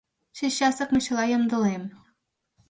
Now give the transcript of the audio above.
Чечасак мый чыла ямдылем.